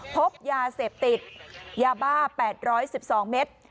พบยาเสพติดยาบ้า๘๑๒เมตร